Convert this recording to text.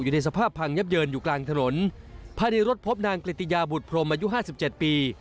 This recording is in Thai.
อยู่ในสภาพพังยับเยินอยู่กลางถนนภายในรถพบนางกฤติยาบุตรพรมอายุห้าสิบเจ็ดปี